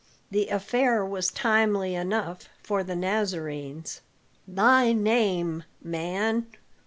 The affair was timely enough for the Nazarenes." "Thy name, man?"